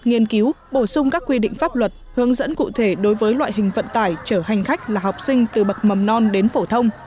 nghiên cứu bổ sung các quy định pháp luật hướng dẫn cụ thể đối với loại hình vận tải chở hành khách là học sinh từ bậc mầm non đến phổ thông